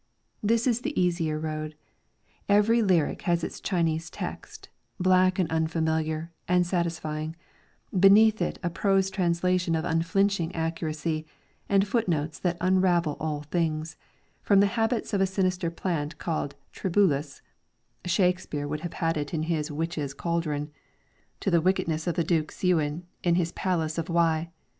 This is the easier road ; every lyric has its Chinese text, black and unfamiliar and satisfy ing; beneath it a prose translation of unflinching accuracy, and footnotes that unravel all things, from the habits of a sinister plant called tribulus Shakespeare would have had it in his witches' X LYRICS FROM THE CHINESE cauldron to the wickedness of the Duke Seuen in his palace of Wei.